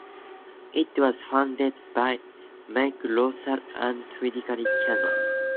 It was founded by Mike Roselle and Twilly Cannon.